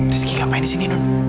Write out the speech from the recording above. rizky ngapain disini nun